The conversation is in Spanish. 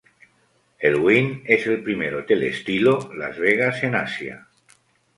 El Wynn es el primer hotel-estilo-Las Vegas en Asia.